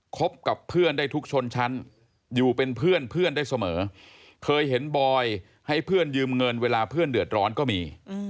บกับเพื่อนได้ทุกชนชั้นอยู่เป็นเพื่อนได้เสมอเคยเห็นบอยให้เพื่อนยืมเงินเวลาเพื่อนเดือดร้อนก็มี